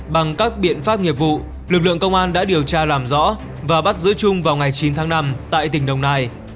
bằng các biện pháp nghiệp vụ lực lượng công an đã điều tra làm rõ và bắt giữ trung vào ngày chín tháng năm tại tỉnh đồng nai